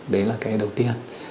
đấy là cái đầu tiên